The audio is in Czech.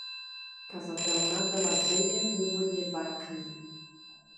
Kazatelna byla zřejmě původně barokní.